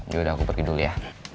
ya udah aku pergi dulu ya